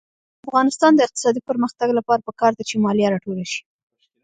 د افغانستان د اقتصادي پرمختګ لپاره پکار ده چې مالیه راټوله شي.